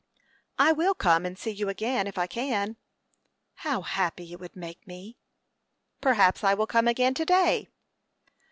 "I will come and see you again, if I can." "How happy it would make me!" "Perhaps I will come again to day."